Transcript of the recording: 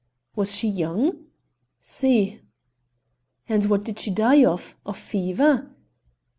"Was she young?" "Si." "And what did she die of? of fever?"